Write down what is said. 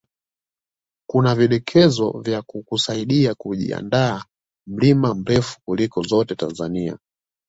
kuna vidokezo vya kukusaidia kujiandaa mlima mrefu kuliko zote Tanzania